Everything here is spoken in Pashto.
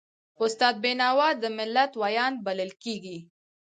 استاد بینوا د ملت ویاند بلل کېږي.